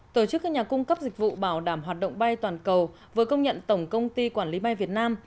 tổ chức các nhà cung cấp dịch vụ bảo đảm hoạt động bay toàn cầu vừa công nhận tổng công ty quản lý bay việt nam